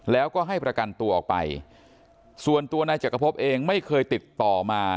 แล้วก็ให้ประกันตัวออกไปส่วนตัวนายจักรพบเองไม่เคยติดต่อมา